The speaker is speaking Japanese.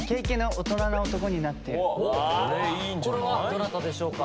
これはどなたでしょうか？